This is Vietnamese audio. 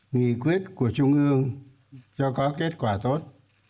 nghị quyết của trung ương cho có kết quả tốt